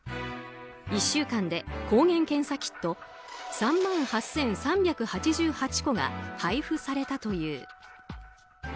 １週間で抗原検査キット３万８３８８個が配布されたという。